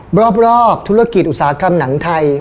รอบธุรกิจอุตสาหกรรมหนังไทย